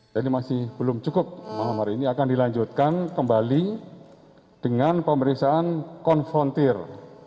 jadi masih belum cukup malam hari ini akan dilanjutkan kembali dengan pemeriksaan konfrontir